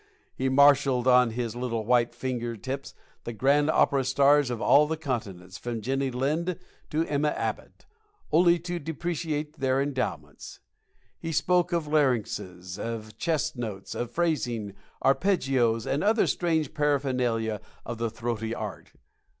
He marshalled on his white finger tips the grand opera stars of all the continents, from Jenny Lind to Emma Abbott, only to depreciate their endowments. He spoke of larynxes, of chest notes, of phrasing, arpeggios, and other strange paraphernalia of the throaty art.